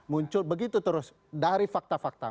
muncul begitu terus dari fakta fakta